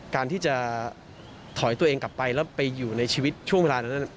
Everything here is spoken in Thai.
การที่จะถอยตัวเองกลับไปแล้วไปอยู่ในชีวิตช่วงเวลานั้น